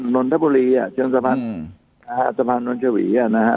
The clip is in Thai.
นนทบุรีอ่ะเชิงสะพานอืมอ่าสะพานนทบุรีอ่ะนะฮะ